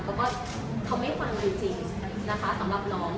ก็ก็ทำให้ความรักจริงนะคะสำหรับน้อง